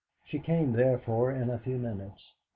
She came, therefore, in a few minutes.